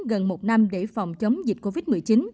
gần một năm để phòng chống dịch covid một mươi chín